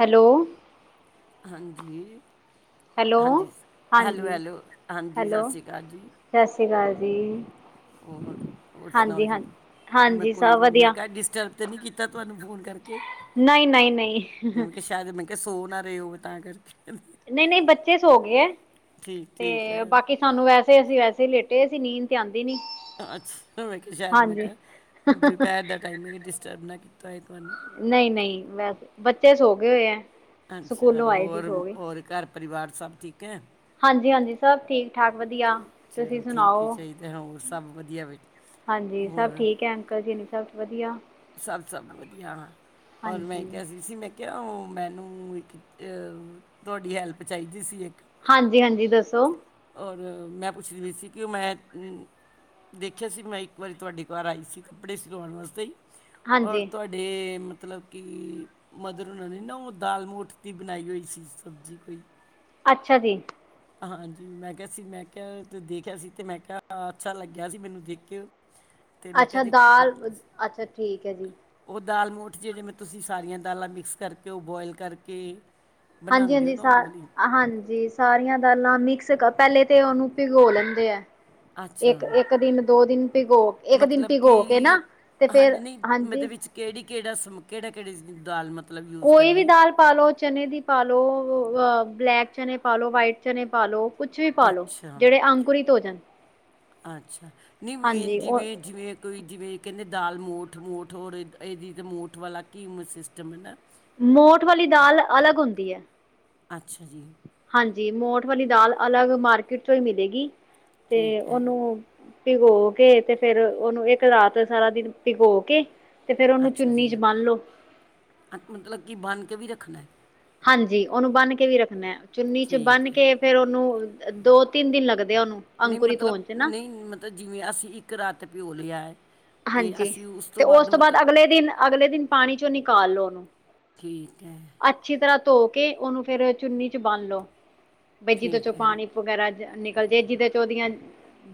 Hello ਹਾਂਜੀ, hello ਹਾਂਜੀ ਹਾਂਜੀ ਹੈਲੋ-ਹੈਲੋ ਹਾਂਜੀ ਸਸ ਸ੍ਰੀ ਕਾਲ ਜੀ। ਸਸ ਸ੍ਰੀ ਕਾਲ ਜੀ। ਹੋਰ-ਹੋਰ ਸੁਣਾਓ ਹਾਂਜੀ ਜੀ ਹਾਂਜੀ ਮੈਂ ਹਾਂਜੀ ਕੋਈ ਸਭ ਮੈਂ ਵਧੀਆ ਕਿਹਾ ਡਿਸਟਰਬ ਤਾਂ ਨਹੀਂ ਕੀਤਾ ਤੁਹਾਨੂੰ ਫੋਨ ਕਰਕੇ। ਨਹੀਂ-ਨਹੀਂ, ਨਹੀਂ। ਕਿ ਸੌ ਨਾ ਰਹੇ ਹੋਵੇ ਤਾਂ ਕਰ ਨਹੀਂ ਨਹੀਂ ਬੱਚੇ ਸੋ ਗਏ ਹੈ ਠੀਕ ਠੀਕ ਤੇ ਹੈ ਬਾਕੀ ਸਾਨੂੰ ਵੈਸੇ ਅਸੀਂ ਵੈਸੇ ਹੀ ਲੇਟੇ ਸੀ ਨੀਂਦ ਤੇ ਆਉਂਦੀ ਨੀ। ਅੱਛਾ ਮੈਂ ਕਿਹਾ ਸ਼ਾਇਦ ਮੈਂ ਹਾਂਜੀ ਕਿਹਾ ਦੁਪਹਿਰ ਦਾ ਟਾਈਮ ਹੈ। ਕਿ ਡਿਸਟਰਬ ਨਾ ਕੀਤਾ ਹੋਏ ਤੁਹਾਨੂੰ। ਨਹੀਂ ਨਹੀਂ ਮੈਂ ਤੇ ਬੱਚੇ ਸੌ ਗਏ ਹੋਏ ਹੈ। ਅੱਛਾ ਸਕੂਲੋਂ ਆਏ ਸੀ ਹੋਰ ਸੋ ਗਏ ਹੋਰ ਘਰ ਪਰਿਵਾਰ ਸਭ ਠੀਕ ਹੈ। ਹਾਂਜੀ ਹਾਂਜੀ ਸਭ ਠੀਕ। ਠਾਕ ਵਧੀਆ ਤੁਸੀਂ ਚਲੋ ਠੀਕ ਹੀ ਸੁਣਾਓ ਚਾਹੀਦਾ ਹੈ। ਹੋਰ ਸਭ ਵਧੀਆ ਹੈ। ਹਾਂਜੀ ਸਭ ਠੀਕ ਹੈ ਅੰਕਲ ਜੀ ਨ ਸਭ ਵਧੀਆ ਸਭ ਸਭ ਵਧੀਆ ਹਾਂ ਔਰ ਮੈਂ ਹਾਂਜੀ ਕਿਹਾ ਸੀ ਮੈਂ ਕਿਆਉ ਉਹ ਮੈਨੂੰ ਇੱਕ ਤੁਹਾਡੀ ਹੈਲਪ ਚਾਹੀਦੀ ਸੀ ਇੱਕ ਹਾਂਜੀ ਹਾਂਜੀ ਦੱਸੋ ਔਰ ਮੈਂ ਪੁੱਛ ਰ ਹੋਈ ਸੀ ਕਿ ਉਹ ਮੈਂ ਦੇਖਿਆ ਸੀ ਮੈਂ ਇੱਕ ਵਾਰੀ ਤੁਹਾਡੇ ਘਰ ਆਈ ਸੀ ਕੱਪੜੇ ਸਿਲਾਉਣ ਵਾਸਤੇ ਔਰ ਹਾਂਜੀ ਤੁਹਾਡੀੇ ੜ ਮਤਲਬ ਕਿ ਮਧਰ ਹਨਾਂ ਨਹੀਂ ਨਾ ਉਹ ਦਾਲ ਮਗੋਠ ਦੀ ਬਣਾਈ ਹੋਈ ਸੀ ਸਬਜ਼ੀ ਕੋਈ ਅੱਛਾ ਜੀ ਹਾਂਜੀ ਮੈਂ ਕਿਹਾ ਸੀ ਮੈਂ ਕਿਹਾ ਦੇਖਿਆ ਸੀ ਤੇ ਮੈਂ ਕਿਹਾ ਅੱਛਾ ਲੱਗਿਆ ਸੀ ਮੈਨੂੰ ਦੇਖਿ [inaudible] ਅੱਛਾ ਦਾਲ ਅੱਛਾ ਠੀਕ ਹੈ ਜੀ ਉਹ ਦਾਲ ਮੋਠ ਜੇ ਜਿਵੇਂ ਤੁਸੀਂ ਸਾਰੀਆਂ ਦਾਲਾਂ ਮਿਕਸ ਕਰਕੇ ਉਹ ਬੋਆਇਲ ਕਰਕੇ ਹਾਂਜੀ ਬਣਾਉਂਦੇ ਹੋ ਹਾਂਜੀ ਨਾ ਸ ਉਹ ਵਾਲੀ ਹਾਂਜੀ ਸਾਰੀਆਂ ਦਾਲਾਂ ਮਿਕਸ ਪਹਿਲੇ ਤੇ ਉਹਨੂੰ ਭਿਗੋ ਲੈਂਦੇ ਆ ਅੱਛਾ ਇੱਕ ਇੱਕ ਦਿਨ ਦੋ ਦਿਨ ਭਿਗੋ ਇੱਕ ਦਿਨ ਮਤਲਬ ਕਿ ਪਿਗੋ ਕੇ ਨਾ ਤੇ ਫੇਰ ਹਾਂਜੀ ਨਹੀਂ ਹਾਂਜੀ ਮਤਲਬ ਵਿੱਚ ਕਿਹੜੀ ਕਿਹੜਾ ਸਮ ਕਿਹੜਾ ਕਿਹੜੀ ਦਾਲ ਮ ਕੋਈ ਵੀ ਦਾਲ ਪਾ ਲੋ ਚਨੇ ਦੀ ਪਾਾਲ ਲੋ ਬਲੈਕ ਚਨ ਪਾਾਲੋ ਵਾਈਟ ਚਨ ਪਾ ਲ ਲੋ ਕੁਛ ਵੀ ਪਾਾਲੋ ਅੱਛਾ ਜਿਹੜੇ ਅੰਕੁਰਿਤ ਹੋ ਜਾਣ ਅੱਛਾ ਨਹੀਂ ਮੇਨ ਹਾਂਜੀ ਉਹ ਜਿਵੇਂ ਜਿਵੇਂ ਕੋਈ ਜਿਵੇਂ ਕਹਿੰਦੇ ਦਾਲ ਮੋਠ ਮੋਠ ਹੋਔਰ ਇਹਦੀ ਤਾਂ ਮੋਠ ਵਾਲਾ ਘੀਮ ਸਿਸਟਮ ਹੈ ਨਾ ਮੋਠ ਵਾਲੀ ਦਾਲ ਅਲੱਗ ਹੁੰਦੀ ਹੈ ਅੱਛਾ ਜੀ ਹਾਂਜੀ ਮੋਠ ਵਾਲੀ ਦਾਲ ਅਲੱਗ ਮਾਰਕੀਟ ਚੋਂ ਹੀ ਮਿਲੇਗੀ ਤੇ ਠੀਕ ਹੈ ਉਹਓਨੂੰ ਭਿਗੋ ਕੇ ਤੇ ਫੇਰ ਉਹਨੂੰ ਇੱਕ ਰਾਤ ਸਾਰਾ ਦਿਨ ਭਿਗੋ ਕੇ ਫਿਰ ਉਹਨੂੰ ਅੱਛਾ ਜੀ ਚੁੰਨੀ 'ਚ ਬੰਨ੍ਹ ਲਓ ਮਤਲਬ ਕਿ ਬਨ੍ਹ ਕੇ ਵੀ ਰੱਖਣਾ ਹੈ ਹਾਂਜੀ ਉਹਨੂੰ ਬੰਨ ਕੇ ਵੀ ਰੱਖਣਾ ਚੁੰਨੀ ਚ ਬੰਨ ਠੀਕ ਹੈ ਕੇ ਫੇਰ ਉਹਨੂੰ ਦੋ ਤਿੰਨ ਦਿਨ ਲੱਗਦੇ ਆ ਉਹਨੂੰ ਨ ਅੰਕੁਰਿਤ ਮਤਲਬ ਹੋਣ 'ਚ ਨਾ ਨਹੀਂ ਮਤਲਬ ਜਿਵੇਂ ਅਸੀਂ ਇੱਕ ਰਾਤ ਪਿਓ ਲਿਆ ਹੈ ਹਾਂਜੀ, ਤੇ ਉਸ ਤੋਂ ਬਾਅਦ ਅਗਲੇ ਦਿਨ ਅਗਲੇ ਦਿਨ ਠੀਕ ਐ। ਅੱਛੀ, ਤਰ੍ਹਾਂ ਧੋ ਕੇ ਉਹਨੂੰ ਫਿਰ ਚੁੰਨੀ ਚ ਬੰਨ ਲੋ ਵੀ ਜੀਦੇ ਚੋਂ ਠੀਕ ਹੈ ਪਾਣੀ ਵਗੈਰਾ ਨਿਕਲ ਜੇ ਜਿਹਦੇ ਚ ਉਹਦੀਆਂ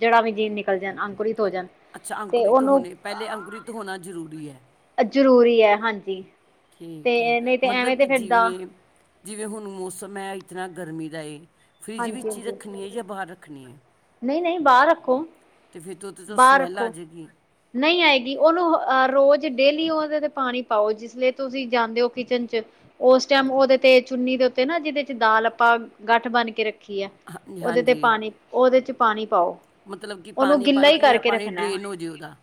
ਜੜਾ ਵੀ ਜੀਣ ਨਿਕਲ ਜਾਣ ਅੰਕੁਰਿਤ ਹੋ ਜਾਣ। ਅੱਛਾ ਤੇ ਅੰਕੁਰਿਤ ਉਹਨੂੰ ਹੋਣੇ ਪਹਿਲੇ ਅੰਕੁਰਿਤ ਹੋਣਾ ਜ਼ਰੂਰੀ ਹੈ ਜ਼ਰੂਰੀ ਹੈ ਹਾਂਜੀ ਠੀਕ ਹੈ ਤੇ ਨਹੀਂ ਤੇ ਮਤਲਬ ਐਵੇਂ ਕਿ ਤੇ ਫਿਰ ਦਾ ਜਿਵੇਂ ਜਿਵੇਂ ਹੁਣ ਮੌਸਮ ਹੈ ਇ ਤਨਾ ਗਰਮੀ ਦਾ ਫਰਿੱਜ ਹਾਂਜੀ ਵਿੱਚ ਹੀ ਹਾਂਜੀ ਰੱਖਣੀ ਹੈ ਜਾਂ ਬਾਹਰ ਰੱਖਣੀ ਹੈ ਨਹੀਂ ਨਹੀਂ ਬਾਹਰ ਰੱਖੋ ਅਤੇ ਫਿਰ ਤੋਂੋਤੇ ਤੋਂੋਂ ਬਾਹਰ ਸਮੈੱਲ ਆ ਰੱਖੋ ਜਾਗੀ ਨਹੀਂ ਆਏਗੀ ਉਹਨੂੰ ਅਹ ਰੋਜ਼ ਡੇਲੀ ਉਹਦੇ ਤੇ ਪਾਣੀ ਪਾਓ ਜੀ ਇਸ ਤੁਸੀਂ ਜਾਂਦੇ ਹੋ ਕਿਚਨ ਚ ਉਸ ਟਾਈਮ ਉਹਦੇ ਤੇ ਚੁੰਨੀ ਦੇ ਉੱਤੇ ਨਾ ਜਿਹਦੇ ਚ ਦਾਲ ਆਪਾਂ ਗੱਠ ਬਣ ਕੇ ਰੱਖ ਰੀ ਹਾਂਜੀ ਉਹਦੇ ਤੇ ਹਾਂਜੀ ਪਾਣੀ ਉਹਦੇ ਚ ਪਾਣੀ ਪਾਓ ਮਤਲਬ ਕਿ ਉਹਨੂੰ ਪਾਣੀ ਪਾ ਗਿੱਲਾ ਕੇ ਈ ਜਿਹੜਾ ਕਰਕੇ ਪਾਣੀ ਰੱਖਣਾ। ਡਰੇਨ ਹੋ ਜੇ ਉਹਦਾ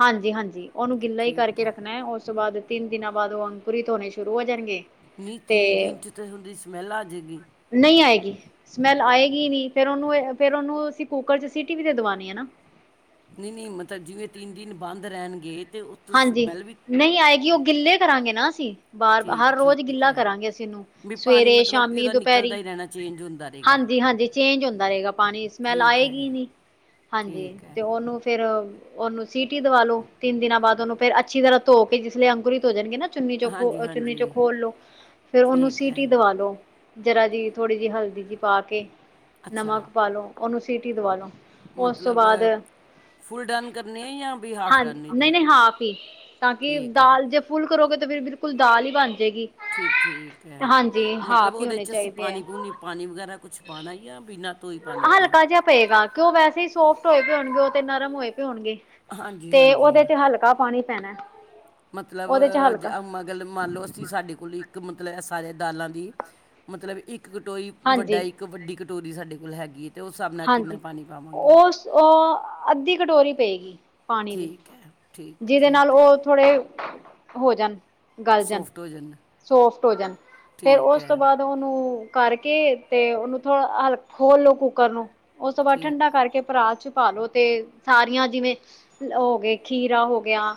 ਹਾਂਜੀ-ਹਾਂਜੀ, ਉਹਨੂੰ ਗਿੱਲਾ ਹੀ ਠੀਕ ਕਰਕੇ ਹੈ ਰੱਖਣਾ ਉਸ ਤੋਂ ਬਾਅਦ ਤਿੰਨ ਦਿਨਾਂ ਬਾਅਦ ਉਹ ਅੰਗਪੁਰੀ ਧੋਣੇ ਸ਼ੁਰੂ ਹੋ ਜਾਣਗੇ। ਨਹੀਂ ਤੇ ਤਿੰਨ ਦਿਨ 'ਚ ਓਦੀ ਸਮੈੱਲ ਆਜੇਗੀ। ਨਹੀਂ ਆਏਗੀ ਸਮੈਲ ਆਏਗੀ ਨਹੀਂ ਫੇਰ ਉਹਨੂੰ ਫੇਿਰ ਉਹਨੂੰ ਅਸੀਂ ਕੁੂੱਕਰ ਚ ਸੀਟੀ ਵੀ ਤੇ ਦਵਾਣੀ ਐ ਨਾ। ਨਹੀਂ-ਨਹੀਂ, ਮਤਲਬ ਜਿਵੇਂ ਤਿੰਨ ਦਿਨ ਬੰਦ ਰਹਿਣਗੇ ਤੇ ਹਾਂਜੀ, ਸਮੈਲ ਵੀ ਨਹੀਂ ਆਏਗੀ ਉਹ ਗਿੱਲੇ ਕਰਾਂਗੇ ਨਾ ਅਸੀਂ। ਬਾਰ ਠੀਕ ਹਰ ਰੋਜ਼ ਠੀਕ ਗਿੱਲਾ ਹੈ ਕਰਾਂਗੇ ਅਸੀਂ ਇਹਨੂੰ ਵੀ ਪਾਣੀ ਸਵੇਰੇ, ਮਤਲਬ ਕਿ ਸ਼ਾਮੀ, ਉਹਦਾ ਨਿਕਲਦਾ ਦੁਪਹਿਰੀ ਹੀ ਰਹਿਣਾ ਚੇਂਜ ਹੁੰਦਾ ਰਹੇਗਾ ਹਾਂਜੀ-ਹਾਂਜੀ। ਚੇਂਜ ਹੁੰਦਾ ਰਹੇਗਾ ਪਾਣੀ ਸਮੈਲ ਠੀਕ ਹੈ ਆਏਗੀ ਨੀ ਹਾਂਜੀ ਠੀਕ ਹੈ ਤੇ ਉਹਨੂੰ ਫ਼ੇਰ ਉਹਨੂੰ ਸੀਟੀ ਦਵਾ ਲੋ ਤਿੰਨ ਦਿਨਾਂ ਬਾਅਦ ਉਹਨੂੰ ਫੇਰ ਅੱਛੀ ਤਰ੍ਹਾਂ ਧੋ ਕੇ ਜਿਸ ਲਈ ਅੰਕੁਰਤੀ ਹੋ ਜਾਣਗੇ ਨਾ। ਚੁੰਨੀ ਚੋਂ ਖੋ ਹਾਂਜੀ ਚੁੰਨੀ ਚੋੋਂ ਹਾਂਜੀ ਖੋਲ ਲੋ ਫੇਰ ਉਹਨੂੰ ਠੀਕ ਹੈ ਸੀਟੀ ਦਵਾ ਲੋ। ਜਰਾ ਜਿਹੀ ਥੋੜ੍ਹੀ ਜਿਹੀ ਹਲਦੀ ਜਿਹੀ ਪਾ ਕੇ ਅੱਛਾ ਨਮਕ ਪਾ ਲੋ ਉਹਨੂੰ ਸੀਟੀ ਦਵਾ ਲੋ। ਉਸ ਤੋਂ ਮਤਲਬ ਬਾਅਦ ਫੁੱਲ ਡਨ ਕਰਨੀ ਆ ਜਾਂ ਵੀ ਹਾਫ ਹਾਂ ਡਨ ਏਦੀ। ਨਹੀਂ-ਨਹੀਂ ਹਾਫ ਤਾਂ ਕਿ ਦਾਲ ਜੇ ਫੁੱਲ ਕਰੋਗੇ ਤਾਂ ਫਿਰ ਬਿਲਕੁਲ ਦਾਲ ਹੀ ਬਣ ਜੇਗੀ। ਠੀਕ ਠੀਕ ਐ, ਹਾਂਜੀ ਮਤਲਬ ਹਾਫ ਈ ਉਹਦੇ ਹੋਣੇ 'ਚ ਅਸੀਂ ਚਾਹੀਦੇ ਐ। ਪਾਣੀ ਪੂਣੀ ਪਾਣੀ ਵਗੈਰਾ ਕੁਛ ਪਾਣਾ ਜਾ ਬਿਨਾਂ ਤੋਂ ਹੀ ਪਾਣੀ ਤੋਂ ਹੀ ਹਲਕਾ ਜਾ ਪਏਗਾ ਕਿਉਂ ਉਹ ਵੈਸੇ ਹੀ ਸੋਫਟ ਹੋਏ ਪਏ ਹੋਣਗੇ ਉਹ ਤੇ ਨਰਮ ਹੋਏ ਪਏ ਹੋਣਗੇ। ਹਾਂਜੀ ਤੇ ਉਹਦੇ ਹਾਂਜੀ ਤੇ ਹਲਕਾ ਪਾਣੀ ਪੈਣਾ। ਮਤਲਬ ਉਹਦੇ ਚ ਹਲਕਾ ਮਤਲਬ ਮੰਨਲੋ ਅਸੀਂ ਸਾਡੇ ਕੋਲ ਸਾਰੇ ਦਾਲਾਂ ਦੀ ਇੱਕ ਕਟੋਰੀ। ਵੱਡਾ ਹਾਂਜੀ ਇੱਕ ਵੱਡੀ ਕਟੋਰੀ ਸਾਡੇ ਕੋਲ ਹੈਗੀ ਐ। ਹਾਂਜੀ, ਉਹ ਉਹ ਅੱਧੀ ਕਟੋਰੀ ਪਏਗੀ। ਪਾਣੀ ਦੀ ਠੀਕ ਹੈ ਠੀਕ ਜਿਹਦੇ ਨਾਲ ਠੀਕ ਉਹ ਥੋੜੇ ਹੋ ਜਾਣ। ਗਲ ਜਾਣ ਸੋਫਟ ਹੋ ਸੋਫਟ ਹੋ ਜਾਣ ਫੇਰ ਠੀਕ ਉਸ ਤੋਂ ਹੈ ਬਾਅਦ। ਉਹਨੂੰ ਕਰਕੇ ਤੇ ਉਹਨੂੰ ਥੋੜਾ ਖੋਲ ਲੋ ਕੁੂੱਕਰ ਨੂੰ। ਉਸ ਤੋਂ ਬਾਅਦ ਠੀਕ ਠੰਡਾ ਕਰਕੇ ਭਰਾ ਚ। ਪਾਲੋ ਤੇ ਸਾਰੀਆਂ ਜਿਵੇਂ ਹੋ ਗਏ ਖੀਰਾ ਹੋ ਗਿਆ।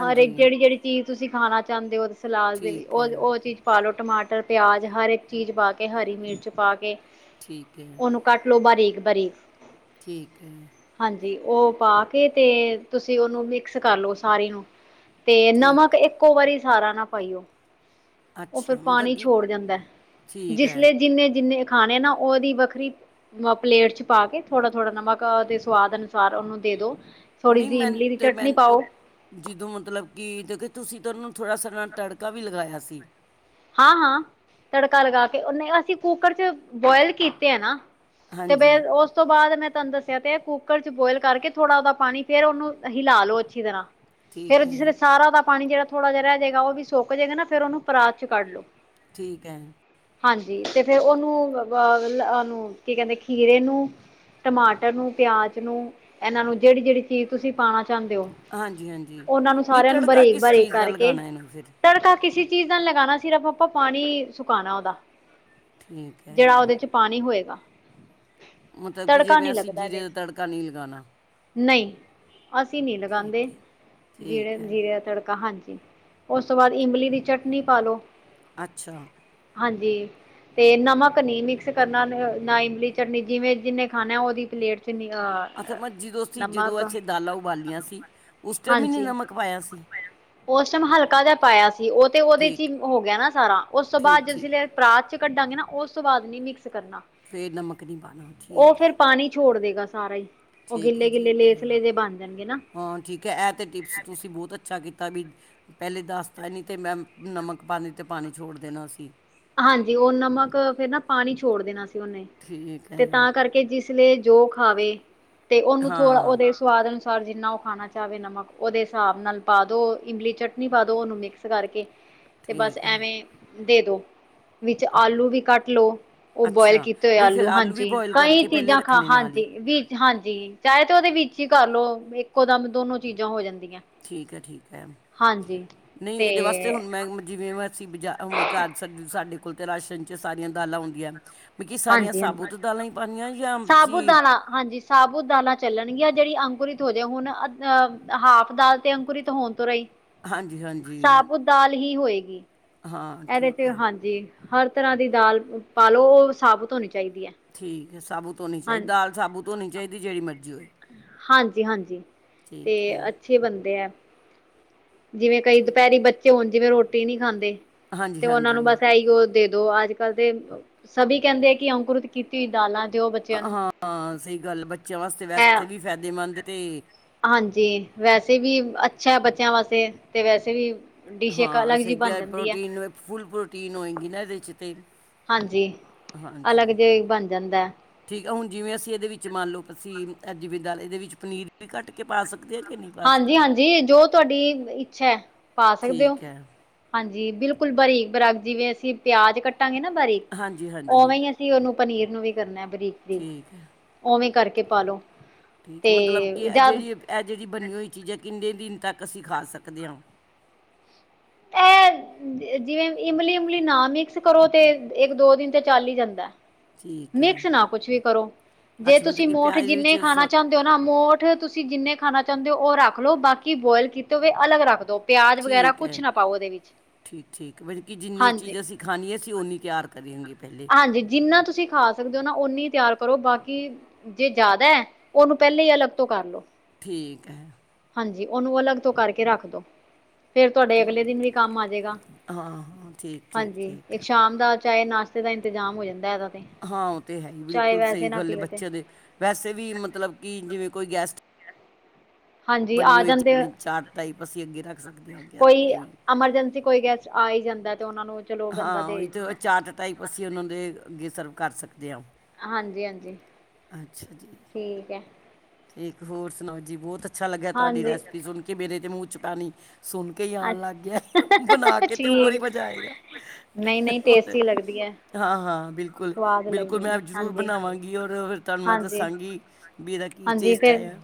ਹਰ ਇੱਕ ਜਿਹੜੀ ਜਿਹੜੀ ਚੀਜ਼ ਤੁਸੀਂ ਖਾਣਾ ਚਾਹੁੰਦੇ ਓ ਸਲਾਦ ਦੇ ਠੀਕ ਹੈ ਉਹ ਉਹ ਚੀਜ਼। ਪਾ ਲਉ ਟਮਾਟਰ ਪਿਆਜ਼ ਹਰ ਇੱਕ ਚੀਜ਼ ਪਾ ਕੇ ਹਰੀ ਮਿਰਚ ਪਾ ਕੇ। ਠੀਕ ਐ। ਉਹਨੂੰ ਕੱਟ ਲੋ ਬਾਰੀਕ ਬਾਰੀਕ ਠੀਕ ਐ। ਹਾਂਜੀ, ਉਹ ਪਾ ਕੇ ਤੇ ਤੁਸੀਂ ਉਹਨੂੰ ਮਿਕਸ ਕਰ ਲਓ ਸਾਰੇ ਨੂੰ। ਤੇ ਨਮਕ ਠੀਕ ਇੱਕੋ ਵਾਰੀ ਸਾਰਾ ਨਾ ਪਾਈਓ। ਉਹ ਫਿਰ ਅੱਛਾ ਪਾਣੀ ਮਤਲਬ ਕਿ ਛੋੜ ਜਾਂਦਾ ਠੀਕ ਜਿਸ ਹੈ ਲਈ ਜਿੰਨੇ ਜਿੰਨੇ ਖਾਣੇ ਨਾ ਉਹਦੀ ਵੱਖਰੀ। ਪਲੇਟ ਚ ਪਾ ਕੇ ਥੋੜਾ ਥੋੜਾ ਨਮਕ ਦੇ ਸਵਾਦ ਅਨੁਸਾਰ ਉਹਨੂੰ ਦੇ ਦੋ। ਥੋੜ੍ਹੀ ਨਹੀਂ ਜਿਹੀ ਮੈਂ ਇਮਲੀ ਦੀ ਤੇ ਮੈਂ ਚਟਣੀ ਪਾਓ। ਉਹ ਜਦੋਂ ਮਤਲਬ ਕਿ ਦੇਖੋ ਤੁਸੀਂ ਤਾਂ ਉਹਨੂੰ ਥੋੜ੍ਹਾ ਸ ਨਾਲ ਤੜਕਾ ਵੀ ਲਗਾਇਆ ਸੀ ਹਾਂ ਹਾਂ ਤੜਕਾ ਲਗਾ ਕੇ ਉਹਨੇ ਅਸੀਂ ਕੁੱਕਰ ਚ ਬੋਇਲ ਕੀਤੇ ਆ ਨਾ ਤੇ ਬੇ ਹਾਂਜੀ ਉਸ ਉਸ ਤੋਂ ਬਾਅਦ ਮੈਂ ਤੁਹਾਨੂੰ ਦੱਸਿਆ ਤੇ ਕੁੱਕਰ ਚ ਬੋਇਲ ਕਰਕੇ ਥੋੜਾ ਉਹਦਾ ਪਾਣੀ ਫੇਰ ਉਹਨੂੰ ਹਿਲਾ ਲੋ ਅੱਛੀ ਤਰ੍ਹਾਂ। ਫੇਰ ਠੀਕ ਜਿਸ ਹੈ ਤਰਾਂ ਸਾਰਾ ਦਾ ਪਾਣੀ ਜਿਹੜਾ ਥੋੜ੍ਹਾ ਜਿਹਾ ਰਹਿ ਜਾਏਗਾ ਉਹ ਵੀ ਸੁੱਕ ਜਾਏਗਾ ਨਾ ਫ਼ਿਰ ਉਹਨੂੰ ਪਰਾਤ ਚ ਕੱਢ ਲੋ। ਠੀਕ ਹੈ। ਹਾਂਜੀ, ਤੇ ਫੇਰ ਉਹਨੂੰ ਅ ਉਹਨੂੰ ਕੀ ਕਹਿੰਦੇ ਖੀਰੇ ਨੂੰ ਟਮਾਟਰ ਨੂੰ ਪਿਆਜ ਨੂੰ ਇਹਨਾਂ ਨੂੰ ਜਿਹੜੀ ਜਿਹੜੀ ਚੀਜ਼ ਤੁਸੀਂ ਪਾਣਾ ਚਾਹਦੇ ਹੋ। ਹਾਂਜੀ ਹਾਂਜੀ ਉਹਨਾਂ ਨੂੰ ਨਹੀਂ ਸਾਰਿਆਂ ਨੂੰ ਤੜਕਾ ਬਰੀਕ ਕਿਸ ਬਰੀਕ ਚੀਜ਼ ਦਾ ਕਰਕੇ ਲਗਾਉਣਾ ਇਹਨੂੰ ਫਿਰ ਤੜਕਾ ਕਿਸੀ ਚੀਜ਼ ਨਾਲ ਲਗਾਣਾ ਸਿਰਫ ਆਪਾਂ ਪਾਣੀ ਸੁਕਾਉਣਾ ਉਹਦਾ ਠੀਕ ਹੈ ਜਿਹੜਾ ਉਹਦੇ ਚ ਪਾਣੀ ਹੋਏਗਾ। ਮਤਲਬ ਕਿ ਤੜਕਾ ਜਿਵੇਂ ਨੀ ਅਸੀਂ ਲੱਗਦਾ ਇਹਦੇ ਜੀਰੇ ਦਾ ਤੜਕਾ ਨਹੀਂ ਲਗਾਉਣਾ ਨਹੀਂ ਅਸੀਂ ਨ ਠੀਕ ਲਗਾਉਦੇ ਹੈ ਜੀਰੇ ਠੀਕ ਹੈ ਜੀਰੇ ਦਾ ਤੜਕਾ ਹਾਂਜੀ ਉਸ ਤੋਂ ਬਾਅਦ ਇਮਲੀ ਦੀ ਚਟਨੀ ਪਾ ਲਉ ਅੱਛਾ ਹਾਂਜੀ ਤੇ ਨਮਕ ਨੀ ਮਿਕਸ ਕਰਨਾ ਨਾ ਇਮਲੀ ਚਟਨੀ ਜਿਵੇਂ ਜਿਨੇ ਖਾਣਾ ਉਹਦੀ ਪਲੇਟ ਚ ਨੀ ਅੱਥ ਮਰ ਜਦੋਂ ਸੀ ਜਦੋਂ ਨਮਕ ਅਸੀਂ ਦਾਲਾਂ ਉਬਾਲੀਆਂ ਸੀ ਉਸ ਟ ਵੀ ਨਹੀਂ ਹਾਂਜੀ ਨਮਕ ਪਾਇਆ ਸੀ ਉਸ ਟਾਈਮ ਹਲਕਾ ਜਿਹਾ ਪਾਇਆ ਸੀ ਉਹ ਤੇ ਉਹਦੇ ਚ ਠੀਕ ਹੀ ਹੋ ਗਿਆ ਨਾ ਸਾਰਾ ਉਸ ਤੋਂ ਠੀਕ ਬਾਅਦ ਠੀਕ ਜ ਪਰਾਤ ਚ ਕੱਢਾਂਗੇ ਨਾ ਉਸ ਤੋਂ ਬਾਅਦ ਨੀ ਮਿਕਸ ਕਰਨਾ ਫਿਰ ਨਮਕ ਨਹੀਂ ਪਾਉਣਾ ਉਹ ਠੀਕ ਹੈ ਫਿਰ ਪਾਣੀ ਛੋੜ ਦੇਗਾ ਸਾਰਾ ਹੀ ਉਹ ਗਿੱਲੇ ਗਿੱਲੇ ਲੇਸ ਲੇਜੇ ਬਣ ਜਾਣਗੇ ਨਾ ਾਂ ਠੀਕ ਹੈ ਇਹ ਤਾਂ ਟਿਪਸ ਤੁਸੀਂ ਬਹੁਤ ਅੱਛਾ ਕੀਤਾ ਵੀ ਪਹਿਲੇ ਦੱਸਤਾ ਨਹੀਂ ਤੇ ਮੈਂ ਨਮਕ ਪਾਣੀ ਤੇ ਪਾਣੀ ਛੋੜ ਦੇਣਾ ਸੀਂ ਹਾਂਜੀ ਉਹ ਨਮਕ ਫੇਿਰ ਨਾ ਪਾਣੀ ਛੋੜ ਦੇਣਾ ਸੀ ਉਹਨੇ ਠੀਕ ਤੇ ਹੈ ਤਾਂ ਕਰਕੇ ਕਿ ਜਿਸ ਲਈ ਜੋ ਖਾਵੇ ਤੇ ਉਹਨੂੰ ਥੋੜਾ ਹਾਂ ਉਹਦੇ ਸਵਾਦ ਅਨੁਸਾਰ ਜਿੰਨਾ ਉਹ ਖਾਣਾ ਚਾਹਵੇ ਨਮਕ ਉਹਦੇ ਹਿਸਾਬ ਨਾਲ ਪਾ ਦਿਓ ਇਮਲੀ ਚਟਨੀ ਪਾ ਦਿਓ ਉਹਨੂੰ ਮਿਕਸ ਕਰਕੇ ਤੇ ਬਸ ਠੀਕ ਹੈ ਐਵੇਂ ਦੇ ਦੋ ਵਿੱਚ ਆਲੂ ਵੀ ਕੱਟ ਲਓ ਉਹ ਬੋਇਲ ਅੱਛਾ ਕੀਤੇ ਹੋਏ ਬਈ ਫਿਰ ਆਲੂ ਵੀ ਹਾਂਜੀ ਬੋਇਲ ਕਈ ਕਰਕੇ ਪਹਿਲੇ ਚੀਜ਼ਾਂ ਖਾ ਰੱਖਣੇ ਨਾਲ ਹਾਂਜੀ ਹੀ ਵੀ ਹਾਂਜੀ ਚਾਹੇ ਤੇ ਉਹਦੇ ਵਿੱਚ ਹੀ ਕਰਲਓ ਇੱਕੋ ਦਮ ਦੋਨੋ ਚੀਜ਼ਾਂ ਹੋ ਜਾਂਦੀਆਂ ਠੀਕ ਹੈ ਠੀਕ ਹੈ ਹਾਂਜੀ ਨਹੀਂ ਤੇ ਇਹਦੇ ਵਾਸਤੇ ਹੁਣ ਮੈਂ ਜਿਵੇਂ ਮੈਂ ਅਸੀਂ ਬਜਾ ਹਮ ਘਾ ਸਾ ਸਾਡੇ ਕੋਲ ਤਾਂ ਰਾਸ਼ਨ ' ਸਾਰੀਆਂ ਦਾਲਾਂ ਆਉਂਦੀਆਂ ਮਕ ਸਾਰੀਆਂ ਹਾਂਜੀ ਹਾਂਜੀ ਸਾਬੂਤ ਦਾਲਾਂ ਹੀ ਪਉਣੀਆਂ ਜਾਂ ਸਾਬੂ ਤੁਂ ਦਾਲਾਂ ਹਾਂਜੀ ਸਾਬੁਤ ਦਾਲਾਂ ਚੱਲਣਗੀਆਂ ਜਿਹੜੀ ਅੰਕੁਰਿਤ ਹੋ ਜਾੇ ਹੁਣ ਅਹ ਹਾਫ ਦਾਲ ਤੇ ਅੰਕੁਰਿਤ ਹੋਣ ਤੋਂ ਰਾਈ ਹਾਂਜੀ ਹਾਂਜੀ ਸਾਲ ਹੀ ਹੋਏਗੀ ਹਾਂ ਇਹਦੇ ਠੀਕ ਤੇ ਹੈ ਹਾਂਜੀ ਹਰ ਤਰ੍ਹਾਂ ਦੀ ਦਾਲ ਪਾਾਲੋ ਉਹ ਸਾਬਤ ਹੋਣੀ ਚਾਹੀਦੀ ਹੈ ਠੀਕ ਹੈ ਸਾਬੁਤ ਧੋਣੀ ਹਾਂ ਚਾਹੀਦੀ ਦਾਲ ਸਾਬੂ ਧੋਣੀ ਚਾਹੀਦੀ ਜਿੜੀ ਮਰਜ਼ੀ ਹੋਏ ਹਾਂਜੀ ਹਾਂਜੀ ਤੇ ਠੀਕ ਹੈ ਅੱਛੇ ਬੰਦੇ ਹੈ ਜਿਵੇਂ ਕਈ ਠੀਕ ਦੁਪਹਿਰੀ ਬੱਚੇ ਹੋਣ ਜਿਵੇਂ ਰੋਟੀ ਨਹੀਂੀ ਖਾਂਦੇ ਤੇ ਹਾਂਜੀ ਉਹਨਾਂ ਨੂੰ ਹਾਂਜੀ ਬਸ ਇਹੀ ਉਹ ਦੇ ਦੋ ਅੱਜ ਕੱਲ ਦੇ ਸਭ ਕਹਿੰਦੇ ਆ ਕਿ ਅੰਕੁਰਤ ਕੀਤੀ ਹੋਈ ਦਾਲਾਂ ਦਿਓ ਬੱਚਿਆਂ ਨੂੰ ਹਾਂ ਸਹੀ ਗੱਲ ਬੱਚਿਆਂ ਵਾਸਤੇ ਇਹ ਵੈਸੇ ਵੀ ਫਾਇਦੇਮੰਦ ਅਤੇ ਹਾਂਜੀ ਵੈਸੇ ਵੀ ਅੱਛਾ ਹੈ ਬੱਚਿਆਂ ਵਾਸਤੇ ਤੇ ਵੈਸੇ ਵੀ ਡਿਸ਼ ਇੱਕ ਹਾਂ ਅਲੱਗ ਸਂ ਜਿਹੀ ਬਣ ਕਿਹਾ ਜਾਂਦੀ ਹੈ ਪ੍ਰੋਟੀਨ ਫੁੱਲ ਪ੍ਰੋਟੀਨ ਹੋਏਗੀ ਨਾ ਇਹਦੇ 'ਚ ਤਾਂ ਹਾਂਜੀ ਅਲੱਗ ਜਿ ਬਣ ਜਾਂਦਾ ਠੀਕ ਆ ਹੁਣ ਜਿਵੇਂ ਅਸੀਂ ਇਹਦੇ ਵਿੱਚ ਮੰਨ ਲਓ ਅਸੀਂ ਅਜਵੇ ਦਾਲ ਇਹਦੇ ਵਿੱਚ ਪਨੀਰ ਵੀ ਕੱਟ ਕੇ ਪਾ ਸਕਦੇ ਹਾਂ ਕਿ ਨਹੀਂ ਪਾ ਹਾਂਜੀ ਸਕਦੇ ਹਾਂਜੀ ਜੋ ਤੁਹਾਡੀ ਇੱਛਾ ਪਾ ਸਕਦੇ ਹੋ। ਠੀਕ ਹੈ ਹਾਂਜੀ ਬਿਲਕੁਲ ਬਾਰੀਕ ਬਰਕ ਜਿਵੇਂ ਅਸੀਂ ਪਿਆਜ ਕੱਟਾਂਗੇ ਨਾ ਬਾਰੀਕ ਹਾਂਜੀ ਹਾਂਜੀ ਉਵੇਂ ਹੀ ਅਸੀਂ ਉਹਨੂੰ ਪਨੀਰ ਨੂੰ ਵੀ ਕਰਨਾ ਬਰੀਕ ਦੀ ਠੀਕ ਹੈ ਉਵੇਂ ਕਰਕੇ ਪਾਾਲੋ ਠੀਕ ਮਤਲਬ ਕਿ ਜਿਹੜੀ ਇਹ ਜਿਹੜੀ ਬਣੀ ਹੋਈ ਚੀਜ਼ ਹੈ ਕਿੰਨੇ ਦਿਨ ਤੱਕ ਅਸੀਂ ਖਾ ਸਕਦੇ ਹਾਂ ਇਹ ਜਿਵੇਂ ਇਮਲੀ ਉਮਲੀ ਨਾ ਮਿਕਸ ਕਰੋ ਤੇ ਇੱਕ ਦੋ ਦਿਨ ਤੇ ਚੱਲ ਹੀ ਜਾਂਦਾ ਠੀਕ ਹੈ ਮਿਕਸ ਨਾ ਕੁਛ ਵੀ ਕਰੋ ਜੇ ਅੱਛਾ ਮਤਲਬ ਤੁਸੀਂ ਕਿ ਮੋਠ ਪਿਆਜ਼ ਦੇ ਵਿੱਚ ਜਿੰਨੇ ਖਾਣਾ ਸ- ਚਾਹੁੰਦੇ ਮੋਠ ਤੁਸੀਂ ਜਿੰਨੇ ਖਾਣਾ ਚਾਹੁੰਦੇ ਹੋ ਉਹ ਰੱਖ ਲਓ ਬਾਕੀ ਬੋਇਲ ਕੀਤੇ ਹੋਵੇ ਅਲੱਗ ਰੱਖ ਦੋ ਪਿਆਜ ਵਗੈਰਾ ਠੀਕ ਕੁਛ ਹੈ ਨਾ ਪਾਓ ਉਹਦੇ ਵਿੱਚ ਠੀਕ ਠੀਕ ਮਤਲਬ ਕਿੀ ਜਿੰਨੀ ਹਾਂਜੀ। ਚੀਜ਼ ਅਸੀਂ ਖਾਣੀ ਅਸੀਂ ਉਹ ਨਨੀ ਤਿਆਰ ਕਰੀਏਗੇ ਪਹਿਲੇਾਂ ਹਾਂਜੀ ਜਿੰਨਾ ਤੁਸੀਂ ਖਾ ਸਕਦੇ ਹੋ ਨਾ ਓਨੀ ਤਿਆਰ ਕਰੋ ਬਾਕੀ ਜੇ ਜ਼ਿਆਦਾ ਹੈ ਉਹਨੂੰ ਪਹਿਲਾਂ ਹੀ ਅਲੱਗ ਤੋਂ ਕਰ ਲਓ ਠੀਕ ਹੈ ਹਾਂਜੀ ਉਹਨੂੰ ਅਲੱਗ ਤੋਂ ਕਰਕੇ ਰੱਖ ਦੋ ਫੇਰ ਤੁਹਾਡੇ ਠੀਕ ਅਗਲੇ ਦਿਨ ਵੀ ਕੰਮ ਆਜੇਗਾ ਹਾਂ ਹਾਂ ਠੀਕ ਠੀਕ ਹਾਂਜੀ ਠੀਕ ਇੱਕ ਸ਼ਾਮ ਦਾ ਚਾਹੇ ਨਾਸ਼ਤੇ ਦਾ ਇੰਤਜ਼ਾਮ ਹੋ ਜਾਂਦਾ ਇਹਦਾ ਤੇ ਹਾਂ ਉਹ ਤਾਂ ਹੈ ਹੀ ਚਾਹੇ ਬਿਲਕੁਲ ਸਹੀ ਵੈਸੇ ਨਾ ਗੱਲ ਹੈ ਪੀਓ ਤੇ ਬੱਚਿਆਂ ਦੇ ਵੈਸੇ ਵੀ ਮਤਲਬ ਕਿ ਜਿਵੇਂ ਕੋਈ ਗੈਸਟ ਹਾਂਜੀ ਬਣੀ ਆ ਹੋਈ ਜਾਂਦੇ ਚਾਰ ਟਾਈਪ ਅਸੀਂ ਅੱਗੇ ਰੱਖ ਸਕਦੇ ਹਾਂ ਗੈਸਟ ਕੋਈ ਦੇ ਵੀ ਐਮਰਜੈਂਸੀ ਕੋਈ ਗੈਸਟ ਆ ਹੀ ਜਾਂਦਾ ਤੇ ਉਹਨਾਂ ਨੂੰ ਚਲੋ ਬੰਦਾ ਹਾਂ ਦੇ ਉਹੀ ਤਾਂ ਦਿੰਦਾ। ਚਾਰਟ ਟਾਈਪ ਅਸੀਂ ਉਹਨਾਂ ਦੇ ਅੱਗੇ ਸਰਵ ਕਰ ਸਕਦੇ ਹਾਂ ਹਾਂਜੀ ਹਾਂਜੀ ਅੱਛਾ ਜੀ ਠੀਕ ਹੈ ਠੀਕ ਹੋਰ ਸੁਣਾਓ ਜੀ ਬਹੁਤ ਅੱਛਾ ਅੱਛਾ ਲੱਗਿਆ ਤੁਹਾਡੀ ਹਾਂਜੀ ਰੈਸਪੀ ਸੁਣ ਕੇ ਮੇਰੇ ਤੇ ਮੂੰਹ ਪਾਣੀ ਸੁਣ ਕਈ ਆਉਣ ਲੱਗ ਅੱਛਾ ਗਿਆ ਬਣਾ ਕੇ ਤੇ ਹੋਰ ਹੀ ਠੀਕ ਮਜ਼ਾ ਆਏਗਾ ਨਹੀਂ ਨਹੀਂ ਟੇਸਟੀ ਲੱਗਦੀ ਹੈ ਹਾਂ ਹਾਂ ਬਿਲਕੁਲ ਸਵਾਦ ਬਿਲਕੁਲ ਲੱਗਦੀ ਹੈ ਮੈਂ ਜਰੂਰ ਹਾਂਜੀ ਬਣਾਵਾਂ ਰ ਫਿਰ ਤੁਹਾਨੂੰ ਮੈਂ ਹਾਂਜੀ ਦੱਸਾਂਗੀ ਵੀ ਇਹਦਾ ਕੀ ਹਾਂਜੀ ਟੇਸਟ ਫਿਰ ਆਇਆ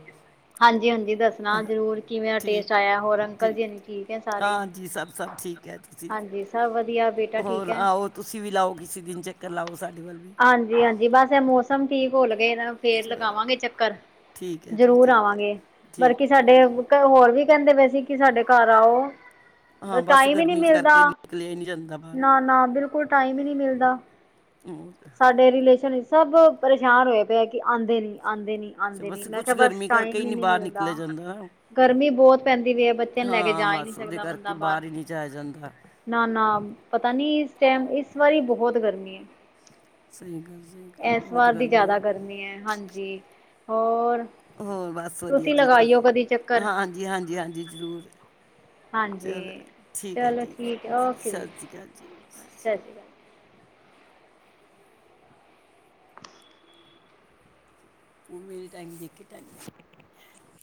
ਹਾਂਜੀ ਹਾਂਜੀ ਦੱਸਣਾ ਜ਼ਰੂਰ ਕਿਵੇਂ ਦਾ ਟੇਸਟ ਠੀਕ ਆਇਆ ਹੋਰ ਅੰਕਲ ਠੀਕ ਜੀ ਹੈ ਸਾਰੇ ਹਾਂਜੀ ਸਭ ਸਭ ਠੀਕ ਕਿਹਾ ਤੁਸੀਂ ਹਾਂਜੀ ਸਭ ਵਧੀਆ ਬੇਟਾ ਠੀਕ ਹੋਰ ਹੈ ਆਓ ਤੁਸੀਂ ਵੀ ਲਾਓ ਕਿਸੇ ਦਿਨ ਚੱਕਰ ਲਾਓ ਸਾਡੇ ਵੱਲ ਵੀ ਹਾਂਜੀ ਹਾਂਜੀ ਬਸ ਇਹ ਮੌਸਮ ਠੀਕ ਹੋਲ ਗਏ ਫੇਰ ਚ- ਲਗਾਵਾਂਗੇ ਚੱਕਰ ਠੀਕ ਹੈ ਜੀ ਜ਼ਰੂਰ ਠੀਕ ਹੈ ਆਵਾਂਗੇ ਬਕੀ ਠੀਕ ਸਾਡੇ ਠੀਕ ਹੋਰ ਵੀ ਕਹਿੰਦੇ ਵਏ ਸੀ ਕਿ ਸਾਡੇ ਘਰ ਆਓ ਹਾਂ ਬਸ ਟਾਈਮ ਹੀ ਨਹੀਂ ਗਰਮੀ 'ਚ ਕਰਕੇ ਮਿਲਦਾ ਨਿਕਲਿਆ ਹੀ ਨਹੀਂ ਜਾਂਦਾ ਬਾਹਰ ਨਾ ਨਾ ਬਿਲਕੁਲ ਟਾਈਮ ਹੀ ਨਹੀਂ ਮਿਲਦਾ [inaudible] ਸਾਡੇ ਰਿਲੇਸ਼ਨ ਸਭ ਪਰੇਸ਼ਾਨ ਹੋਏ ਪਏ ਆ ਕਿ ਆਉਂਦੇ ਨ ਆਉਂਦੇ ਨੀ ਤੇ ਆਉਂਦੇ ਨੀ ਬਸ ਮੈਂ ਕੁਛ ਕਿਹਾ ਬਸ ਗਰਮੀ ਕਰਕੇ ਟਾਈਮ ਹੀ ਨਹੀਂ ਨੀ ਬਾਹਰ ਮਿਲਦਾ ਨਿਕਲਿਆ ਜਾਂਦਾ ਨਾ ਗਰਮੀ ਬਹੁਤ ਪੈਂਦੀ ਵੀਈ ਹੈ ਬੱਚਿਆਂ ਨੂੰ ਲੈ ਕੇ ਹਾਂ ਜਾ ਹੀ ਨਹੀਂ ਬਸ ਉਹਦੇ ਸਕਦਾ ਕਰਕੇ ਬੰਦਾ ਬਾਹਰ ਹੀ ਨਹੀਂ ਜਾਇਆ ਜਾਂਦਾ ਨਾ ਨਾ ਪਤਾ ਨੀ ਇਸ ਟਾਈਮ ਇਸ ਵਾਰੀ ਬਹੁਤ ਗਰਮੀ ਹੈ ਸਹੀ ਗਲ ਇਸ ਵਾਰ ਦੀ ਜ਼ਿਆਦਾ ਗਰਮੀ ਹੈ ਹਾਂਜੀ ਹੋਰ ਹੋਰ ਬਸ ਵਧੀਆ ਜੀ ਤੁਸੀਂ ਲਗਾਈਓ ਕਦੀ ਚੱਕਰ ਹਾਂ ਹਾਂਜੀ ਹਾਂਜੀ ਹਾਂਜੀ ਜ਼ਰੂਰ ਚਲੋ ਹਾਂਜੀ ਠੀਕ ਹੈ ਚਲੋ ਜੀ ਠੀਕ ਹੈ ਓਕੇ ਜੀ ਸਤਿ ਸ਼੍ਰੀ ਅਕਾਲ ਜੀ ਸ਼੍ਰੀ [inaudible] ਉਹ ਮੇਰੇ ਟਾਈਮ ਦੇਖ ਕੇ ਟਾਈਮ